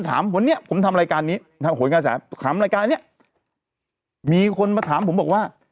ถามวันนี้ผมทำรายการนี้ถามรายการนี้มีคนมาถามผมบอกว่า